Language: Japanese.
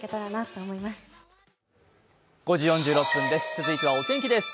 続いてはお天気です。